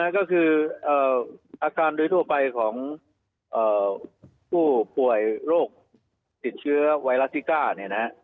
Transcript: ก็คืออาการโดยทั่วไปของผู้ป่วยโรคติดเชื้อไวรัสซิก้าเนี่ยนะฮะ